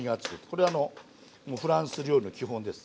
これあのフランス料理の基本です。